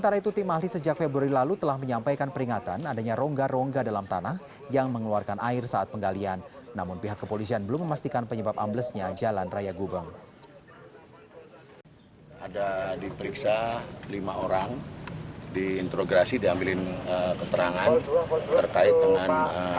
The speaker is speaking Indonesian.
timah diperiksa ada diperiksa lima orang diintrograsi diambilin keterangan terkait dengan